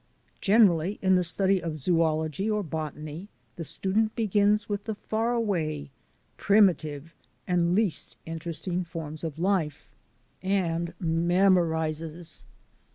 Generally in the study of zoology or botany the student begins with the far away, primitive, and least interesting forms of life, and memorizes.